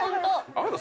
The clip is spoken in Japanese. あなた。